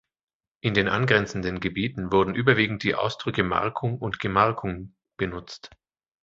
In den angrenzenden Gebieten werden überwiegend die Ausdrücke Markung und Gemarkung benutzt.